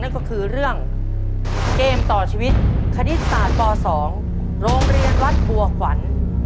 นั่นก็คือเรื่องเกมต่อชีวิตคณิตศาสตร์ป๒โรงเรียนวัดบัวขวัญ